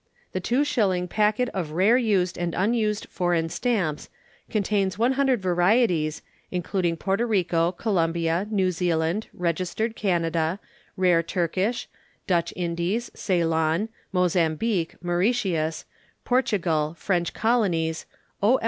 The Two Shilling Packet of Rare Used and Unused Foreign Stamps contains 100 varieties, including Porto Rico, Colombia, New Zealand, registered Canada, rare Turkish, Dutch Indies, Ceylon, Mozambique, Mauritius, Portugal, French Colonies, O.